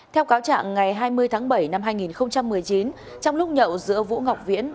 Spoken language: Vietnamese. theo cáo trạng ngày hai mươi tháng bảy năm hai nghìn một mươi chín trong lúc nhậu giữa vũ ngọc viễn